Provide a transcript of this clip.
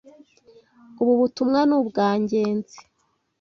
Ubu butumwa ni ubwa Ngenzi.